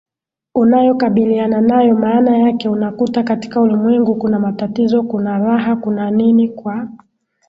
unayokabiliana nayo maana yake unakuta katika ulimwengu kuna matatizo kuna raha kuna nini kwa